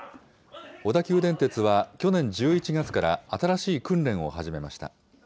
小田急電鉄は去年１１月から、新しい訓練を始めました。